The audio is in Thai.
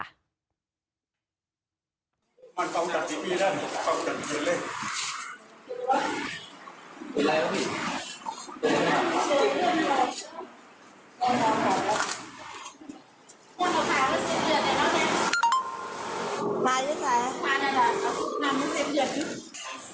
มาอยู่ไหนมาได้หรอนั่งให้เต็มเดียวนิดนึง